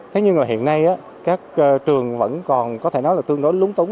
thế nhưng mà hiện nay các trường vẫn còn có thể nói là tương đối lúng túng